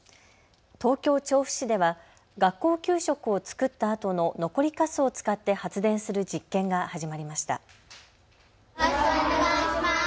東京調布市では学校給食を作ったあとの残りかすを使って発電する実験が始まりました。